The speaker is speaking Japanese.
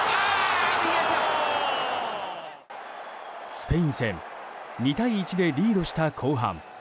スペイン戦２対１でリードした後半。